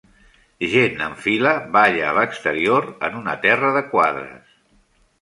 Gent en fila balla a l'exterior en un terra de quadres.